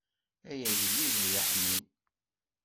Ay agellid ay aḥnin.